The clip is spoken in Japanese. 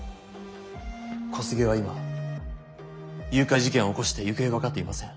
小菅は今誘拐事件を起こして行方が分かっていません。